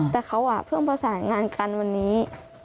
แต่เขาเพิ่งประสานงานกันวันนี้